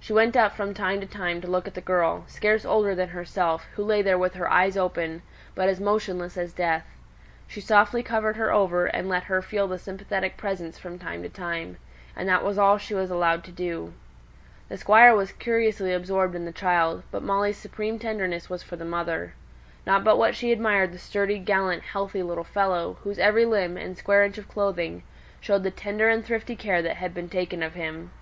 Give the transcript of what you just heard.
She went up from time to time to look at the girl, scarce older than herself, who lay there with her eyes open, but as motionless as death. She softly covered her over, and let her feel the sympathetic presence from time to time; and that was all she was allowed to do. The Squire was curiously absorbed in the child, but Molly's supreme tenderness was for the mother. Not but what she admired the sturdy, gallant, healthy little fellow, whose every limb, and square inch of clothing, showed the tender and thrifty care that had been taken of him.